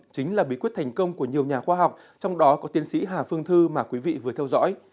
chính là bí quyết thành công của nhiều nhà khoa học trong đó có tiến sĩ hà phương thư mà quý vị vừa theo dõi